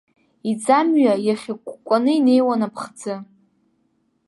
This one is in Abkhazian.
Иӡамҩа иахьыкәкәаны инеиуан аԥхӡы.